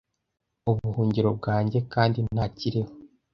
Ubuhungiro bwanjye! kandi ntakiriho.